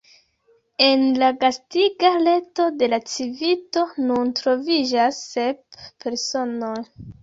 En la gastiga reto de la Civito nun troviĝas sep personoj.